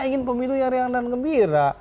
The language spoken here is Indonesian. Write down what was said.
ingin pemilu yang reang dan gembira